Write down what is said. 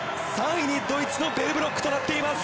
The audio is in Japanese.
３位にドイツのベルブロックとなっています。